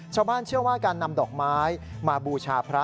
ชาวบ้านเชื่อว่าการนำดอกไม้มาบูชาพระ